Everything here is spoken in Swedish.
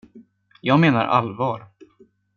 Jag menar allvar.